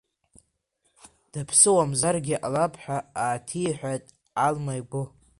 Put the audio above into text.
Даԥсыуамзаргьы ҟалап ҳәа ааҭиҳәааит Алма игәы.